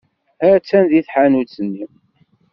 Attan deg tḥanut-nni.